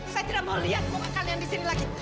saya tidak mau lihat bunga kalian di sini lagi